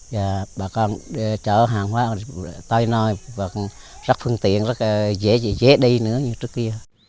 và bà con chở hàng hóa tới nơi rất phương tiện rất dễ đi nữa như trước kia